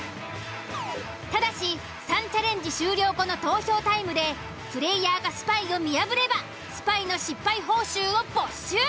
ただし３チャレンジ終了後の投票タイムでプレイヤーがスパイを見破ればスパイの失敗報酬を没収。